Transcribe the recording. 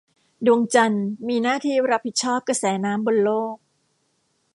ดวงจันทร์มีหน้าที่รับผิดชอบกระแสน้ำบนโลก